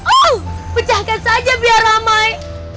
oh pecahkan saja biar ramai